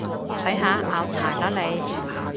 睇下，拗柴喇你